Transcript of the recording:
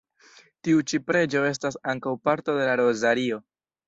Tiu ĉi preĝo estas ankaŭ parto de la rozario.